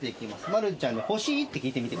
まるちゃんに「欲しい？」って聞いてみて。